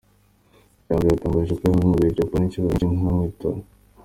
Janvier yatangaje ko yahamagaye Jay Polly inshuro nyinshi ntamwitabe.